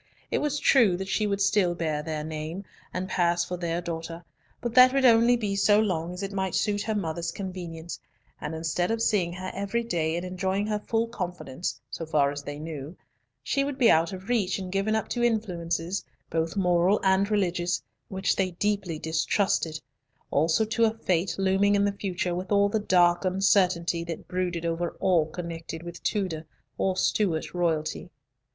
It was true that she would still bear their name, and pass for their daughter, but that would be only so long as it might suit her mother's convenience; and instead of seeing her every day, and enjoying her full confidence (so far as they knew), she would be out of reach, and given up to influences, both moral and religious, which they deeply distrusted; also to a fate looming in the future with all the dark uncertainty that brooded over all connected with Tudor or Stewart royalty.